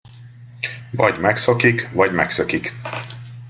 Vagy megszokik, vagy megszökik.